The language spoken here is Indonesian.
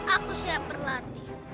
aku siap berlatih